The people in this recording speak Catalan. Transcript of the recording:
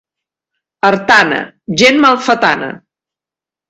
Artana, gent malfatana.